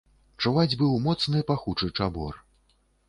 Чуваць быў моцны пахучы чабор.